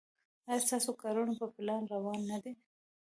ایا ستاسو کارونه په پلان روان نه دي؟